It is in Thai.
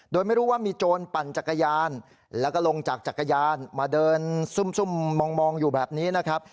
โดยไม่รู้ว่ามีโจรปั่นจักรยานแล้วก็ลงจากจักรยานมาเดินซุ่มมองอยู่แบบนี้นะครับ